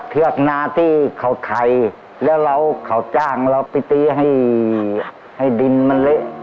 เทือกนาที่เขาไข่แล้วเราเขาจ้างเราไปตีให้ให้ดินมันเละ